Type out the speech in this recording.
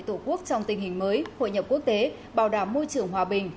tổ quốc trong tình hình mới hội nhập quốc tế bảo đảm môi trường hòa bình